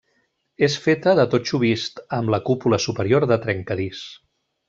És feta de totxo vist, amb la cúpula superior de trencadís.